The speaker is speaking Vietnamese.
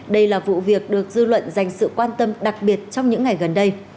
đây là vụ việc được dư luận dành sự quan tâm đặc biệt trong những ngày gần đây